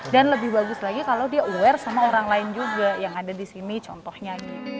dan lebih bagus lagi kalau dia aware sama orang lain juga yang ada di sini contohnya